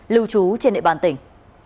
lưu trú trên địa bàn tỉnh